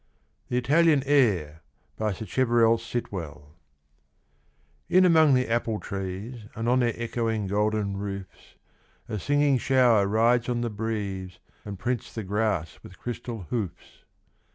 SACHEVERELL SITWELL. THE ITALIAN AIR: IN among the apple trees And on their echoing golden roofs, A singing shower rides on the breeze, And prints the grass with crystal hoofs.